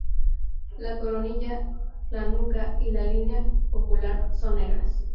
La coronilla, la nuca y la línea ocular son negras.